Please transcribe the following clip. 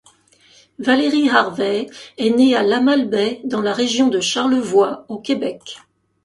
Valérie Harvey est née à La Malbaie, dans la région de Charlevoix, au Québec.